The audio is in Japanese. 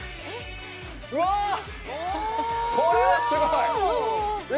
うわあ、これはすごい！え！